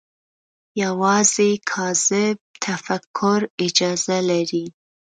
یوازې کاذب تفکر اجازه لري